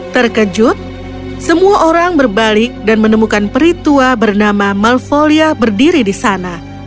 terkejut semua orang berbalik dan menemukan peritua bernama malfolia berdiri di sana